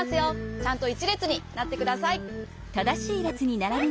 ちゃんと１れつになってください。